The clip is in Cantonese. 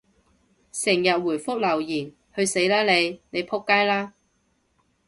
成日回覆留言，去死啦你！你仆街啦！